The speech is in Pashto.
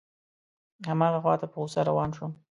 هماغه خواته په غوسه روان شوم.